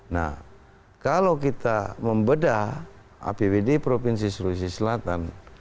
nah kalau kita membedah apbd provinsi sulawesi selatan